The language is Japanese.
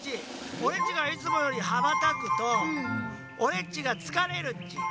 オレっちがいつもよりはばたくとオレっちがつかれるっち。